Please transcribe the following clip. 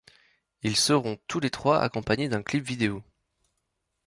Ils seront tous les trois accompagnés d'un clip vidéo.